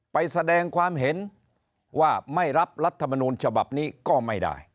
ไปแสดงความเห็นว่าไม่รับรัฐมนูลฉบับนี้ก็ไม่ได้